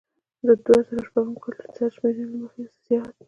د دوه زره شپږم کال د سرشمیرنې له مخې یې نفوس زیات دی